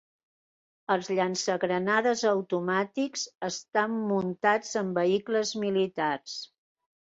Els llançagranades automàtics estan muntats en vehicles militars.